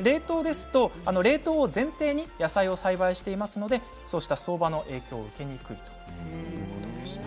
冷凍ですと冷凍を前提に野菜を栽培していますのでそうした相場の影響を受けにくいということでした。